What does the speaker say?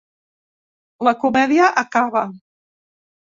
La comèdia acaba.